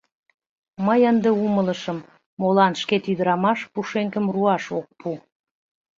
Мый ынде умылышым, молан шкет ӱдырамаш пушеҥгым руаш ок пу.